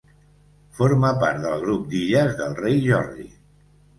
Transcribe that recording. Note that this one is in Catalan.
Forma part del grup d'illes del Rei Jordi.